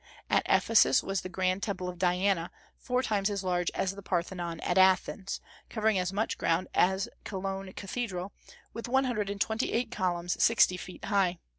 At Ephesus was the grand temple of Diana, four times as large as the Parthenon at Athens, covering as much ground as Cologne Cathedral, with one hundred and twenty eight columns sixty feet high.